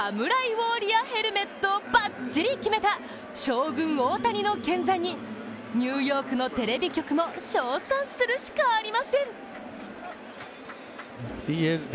ウォリアーヘルメットをばっちり決めた、ショーグン大谷の見参に、ニューヨークのテレビ局も称賛するしかありません。